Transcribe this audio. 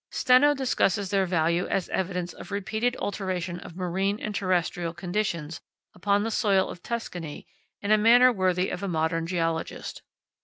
Steno discusses their value as evidence of repeated alteration of marine and terrestrial conditions upon the soil of Tuscany in a manner worthy of a modern geologist.